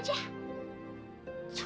kita jualan aja